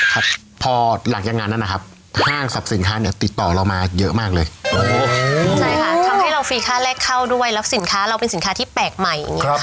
เข้าด้วยแล้วสินค้าเราเป็นสินค้าที่แปลกใหม่